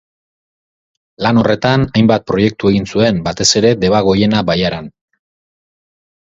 Lan horretan hainbat proiektu egin zuen, batez ere, Debagoiena bailaran.